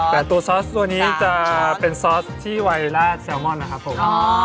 แต่ตัวซอสตัวนี้จะเป็นซอสที่ไวรัสแซลมอนนะครับผม